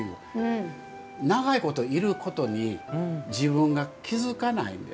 長いこといることに自分が気付かないんです。